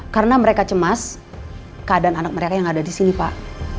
karena mereka cemas keadaan anak mereka yang ada di sini pak